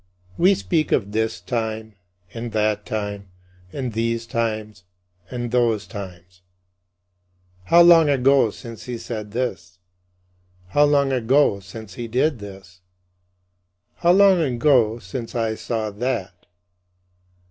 We speak of this time and that time, and these times and those times: "How long ago since he said this?" "How long ago since he did this?" "How long ago since I saw that?"